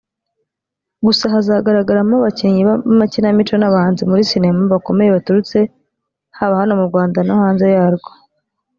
Gusa hazagaragaramo abakinnyi b’amakinamico n’abahanzi muri sinema bakomeye baturutse haba hano mu Rwanda no hanze yarwo